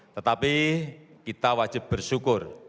tetapi kita wajib bersyukur